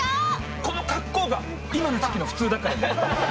この格好が今の時期の普通だからね。